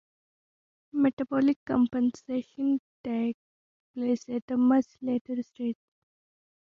Metabolic compensations take place at a much later stage.